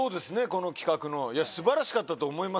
この企画の素晴らしかったと思いますよ。